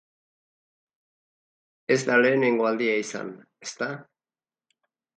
Ez da lehenengo aldia izan, ezta?